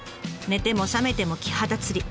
寝ても覚めてもキハダ釣り。